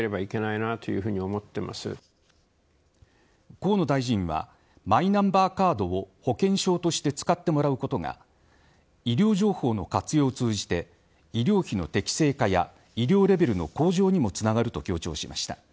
河野大臣はマイナンバーカードを保険証として使ってもらうことが医療情報の活用を通じて医療費の適正化や医療レベルの向上にもつながると強調しました。